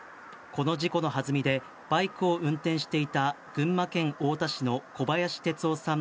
この事故のはずみでバイクを運転していた群馬県太田市の小林哲雄さん